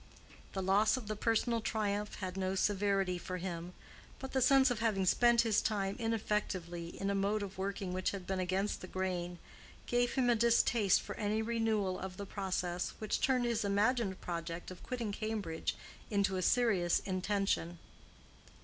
The loss of the personal triumph had no severity for him, but the sense of having spent his time ineffectively in a mode of working which had been against the grain, gave him a distaste for any renewal of the process, which turned his imagined project of quitting Cambridge into a serious intention.